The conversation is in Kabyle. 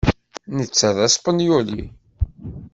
Netta d aspenyuli.